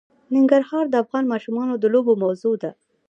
ننګرهار د افغان ماشومانو د لوبو موضوع ده.